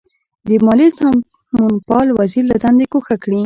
د مالیې سمونپال وزیر له دندې ګوښه کړي.